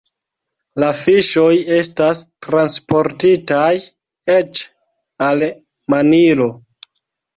La fiŝoj estas transportitaj eĉ al Manilo.